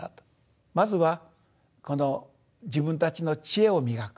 まずはこの自分たちの知恵を磨く